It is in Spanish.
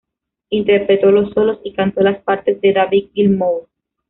Interpretó los solos y cantó las partes de David Gilmour.